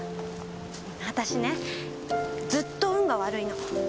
私ねずっと運が悪いの。